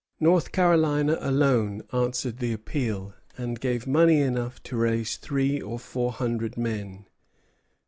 North Carolina alone answered the appeal, and gave money enough to raise three or four hundred men.